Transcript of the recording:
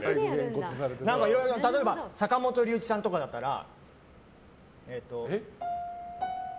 いろいろ、例えば坂本龍一さんとかだったら。